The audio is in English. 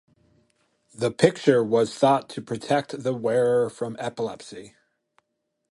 The picture was thought to protect the wearer from epilepsy.